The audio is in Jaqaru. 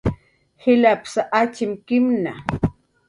jilapsa atyimkinhna